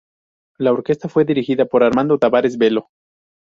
La orquesta fue dirigida por Armando Tavares Belo.